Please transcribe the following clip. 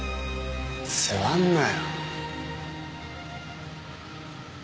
座んなよ。